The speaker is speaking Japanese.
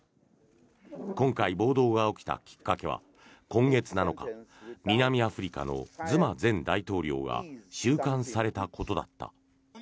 今回、暴動が起きたきっかけは今月７日南アフリカのズマ前大統領が収監されたことだった。